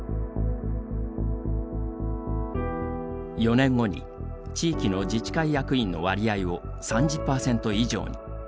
４年後に地域の自治会役員の割合を３０％以上に。